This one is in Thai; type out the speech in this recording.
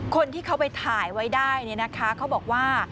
คนที่เขาไปถ่ายไว้ได้เนี่ยนะคะเขาบอกว่า